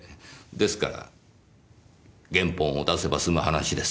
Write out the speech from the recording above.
ですから原本を出せば済む話です。